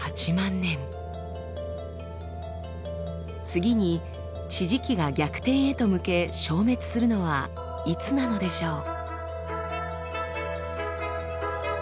次に地磁気が逆転へと向け消滅するのはいつなのでしょう？